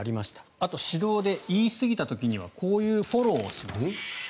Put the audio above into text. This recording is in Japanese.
あと、指導で言い過ぎた時にはこういうフォローをしますと。